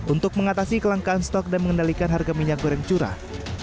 untuk mengatasi kelangkaan stok dan mengendalikan harga minyak goreng curah